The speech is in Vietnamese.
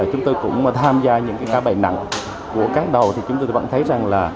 chúng tôi cũng tham gia những cái bài nặng của các đầu thì chúng tôi vẫn thấy rằng là